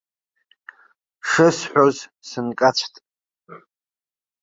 Шысҳәоз сынкацәт.